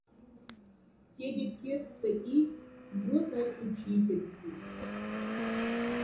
Тядять кядьста идсь ётай учительти.